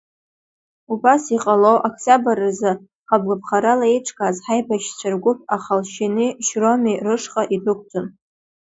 Убас иҟалоу, октиабр рзы хатәгәаԥхарала еиҿкааз ҳаибашьцәа ргәыԥк Ахалшьени Шьромеи рышҟа идәықәҵан.